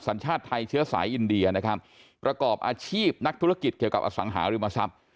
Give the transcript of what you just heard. สัญชาติไทยเชื้อสายอินเดียนะครับประกอบอาชีพนักธุรกิจเกี่ยวกับอสังหาริมทรัพย์